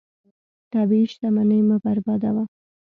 طبیعي شتمنۍ مه بربادوه.